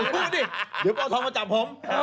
พอกมาจับผม